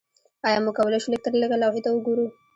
ایا موږ کولی شو لږترلږه لوحې ته وګورو